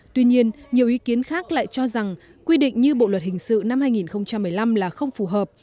tuy nhiên nhiều ý kiến khác lại cho rằng quy định như bộ luật hình sự năm hai nghìn một mươi năm là không phù hợp